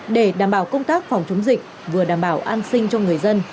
để đảm bảo công tác phòng chống dịch vừa đảm bảo an sinh cho người dân